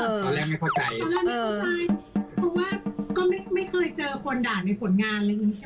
ตอนแรกมมินเข้าใจเพราะว่าก็ไม่เคยเจอคนด่าในผลงานหรือไหมฮะ